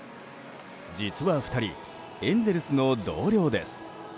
実は２人エンゼルスの同僚です。